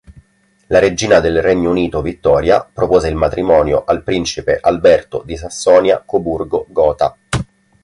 La regina del Regno Unito Vittoria propose il matrimonio al principe Alberto di Sassonia-Coburgo-Gotha.